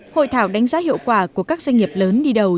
hội thảo đánh giá hiệu quả của các doanh nghiệp lớn đi đầu